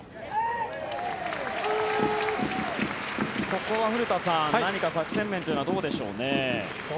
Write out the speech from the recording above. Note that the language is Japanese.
ここは古田さん何か作戦面というのはどうでしょうね。